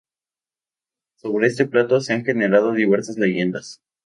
Sobre este plato se han generado diversas leyendas.